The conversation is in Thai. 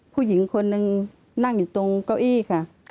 ผู้หญิงคนนึงนั่งอยู่ตรงเก้าอี้ค่ะ